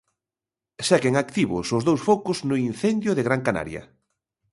Seguen activos os dous focos no incendio de Gran Canaria.